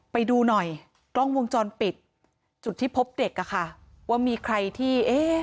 ไปดูหน่อยกล้องวงจรปิดจุดที่พบเด็กอะค่ะว่ามีใครที่เอ๊ะ